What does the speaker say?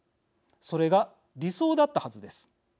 それが理想だったはずです。